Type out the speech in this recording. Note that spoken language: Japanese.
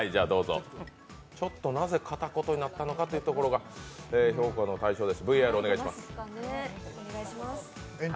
なぜ片言になったのかというところが評価の対象です。